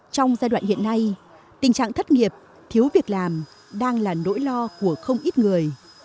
trong giai đoạn hiện nay tình trạng thất nghiệp thiếu việc làm đang là nỗi lo của không ít người